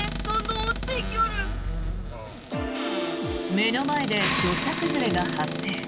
目の前で土砂崩れが発生。